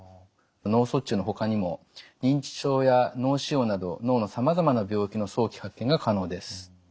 脳卒中のほかにも認知症や脳腫瘍など脳のさまざまな病気の早期発見が可能です。